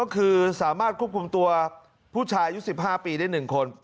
ก็คือสามารถควบคุมตัวผู้ชายอายุ๑๕ปีได้๑คน